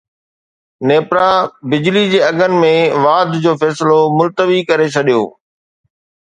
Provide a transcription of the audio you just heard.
نيپرا بجلي جي اگهن ۾ واڌ جو فيصلو ملتوي ڪري ڇڏيو